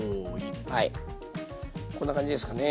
はいこんな感じですかね。